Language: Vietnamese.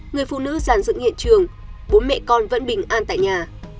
người phụ nữ giàn dựng hiện trường bố mẹ con vẫn bình an tại nhà